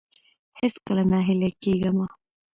هېڅکله ناهيلي کېږئ مه.